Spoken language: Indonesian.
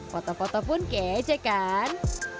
foto foto pun kejek kan